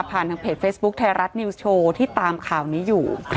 ทางเพจเฟซบุ๊คไทยรัฐนิวส์โชว์ที่ตามข่าวนี้อยู่